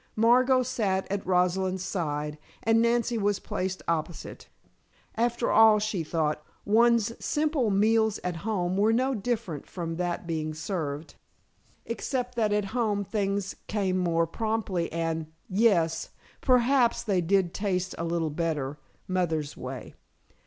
Margot sat at Rosalind's side and Nancy was placed opposite. After all, she thought, one's simple meals at home were no different from that being served, except that at home things came more promptly and yes perhaps they did taste a little better mother's way.